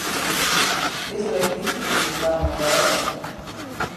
Is der ek wifi yn de trein oanwêzich?